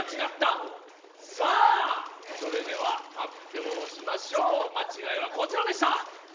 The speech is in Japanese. それでは発表しましょう、間違いはこちらでした。